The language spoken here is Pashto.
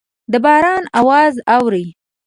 د باران اواز اورئ